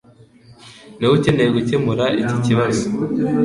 niwe ukeneye gukemura iki kibazo.